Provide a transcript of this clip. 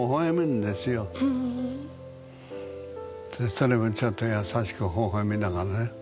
それもちょっと優しく微笑みながらね。